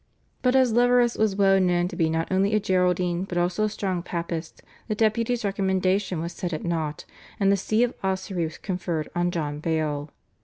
" But as Leverous was well known to be not only a Geraldine but also a strong Papist the Deputy's recommendation was set at nought, and the See of Ossory was conferred on John Bale.